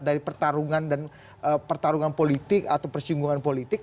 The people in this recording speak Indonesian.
dari pertarungan dan pertarungan politik atau persinggungan politik